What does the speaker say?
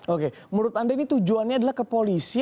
oke menurut anda ini tujuannya adalah ke polisi